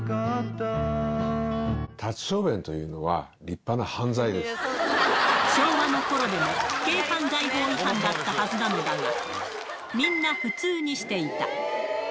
立ち小便というのは、立派な昭和のころでも、軽犯罪法違反だったはずなのだが、みんな普通にしていた。